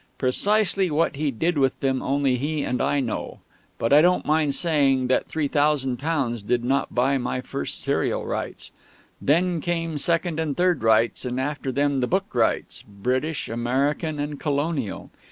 Precisely what he did with them only he and I know; but I don't mind saying that £3000 did not buy my first serial rights. Then came second and third rights, and after them the book rights, British, American, and Colonial.